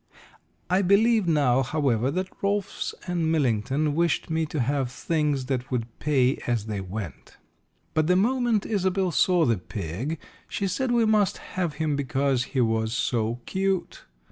I believe now, however, that Rolfs and Millington wished me to have things that would pay as they went. But the moment Isobel saw the pig she said we must have him, because he was so cute.